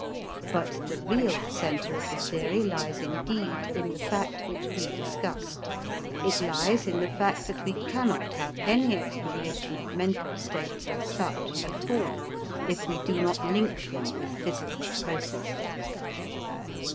But the real center of the theory lies indeed in the fact which we discussed; it lies in the fact that we cannot have any explanation of mental states as such at all, if we do not link them with physical processes.